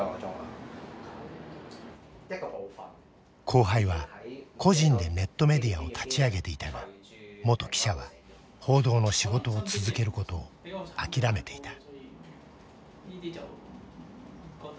後輩は個人でネットメディアを立ち上げていたが元記者は報道の仕事を続けることを諦めていた。